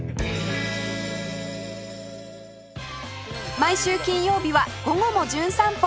毎週金曜日は『午後もじゅん散歩』